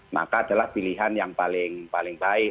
maka adalah pilihan yang paling baik